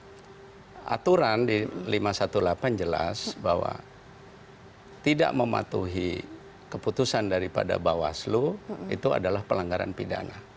karena aturan di lima ratus delapan belas jelas bahwa tidak mematuhi keputusan daripada bawaslu itu adalah pelanggaran pidana